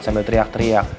sambil teriak teriak